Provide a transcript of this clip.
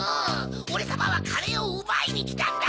オレさまはカレーをうばいにきたんだ！